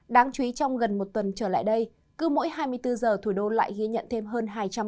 đáng chú ý trong gần một tuần trở lại đây cứ mỗi hai mươi bốn h thủ đô lại ghi nhận thêm hơn hai trăm linh bệnh nhân covid một mươi chín